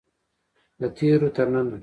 له تیرو تر ننه.